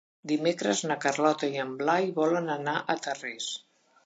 Dimecres na Carlota i en Blai volen anar a Tarrés.